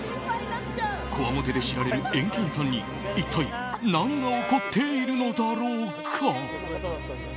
こわもてで知られるエンケンさんに一体何が起こっているのだろうか。